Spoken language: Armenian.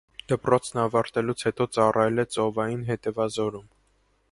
Դպրոցն ավարտելուց հետո ծառայել է ծովային հետևազորում։